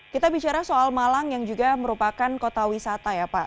kita bicara soal malang yang juga merupakan kota wisata ya pak